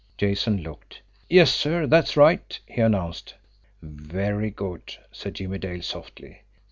Jason looked. "Yes, sir, that's right," he announced. "Very good," said Jimmie Dale softly.